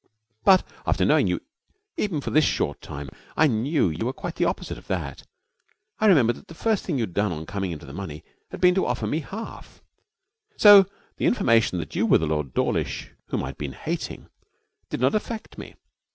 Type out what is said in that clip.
But after knowing you even for this short time, I knew you were quite the opposite of that, and I remembered that the first thing you had done on coming into the money had been to offer me half, so the information that you were the Lord Dawlish whom I had been hating did not affect me.